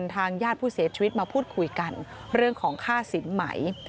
ทางญาติผู้เสียชีวิตมาพูดคุยกันเรื่องของค่าสินใหม่